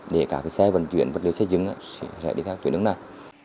để các xe vận chuyển vật liệu xây dựng sẽ đi theo tuyến đường này